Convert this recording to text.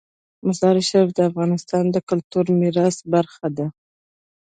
مزارشریف د افغانستان د کلتوري میراث برخه ده.